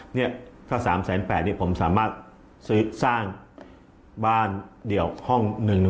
เนี่ยถ้า๓๘๐๐บาทผมสามารถสร้างบ้านเดียวห้องหนึ่ง